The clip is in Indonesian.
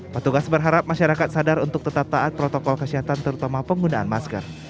petugas berharap masyarakat sadar untuk tetap taat protokol kesehatan terutama penggunaan masker